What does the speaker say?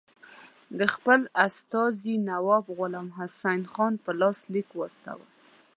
د خپل استازي نواب غلام حسین خان په لاس لیک واستاوه.